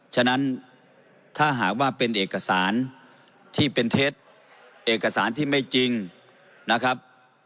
ฉะนั้นถ้าหากว่าเป็นเอกสารที่เป็นเท็จเอกสารที่ไม่จริงนะครับ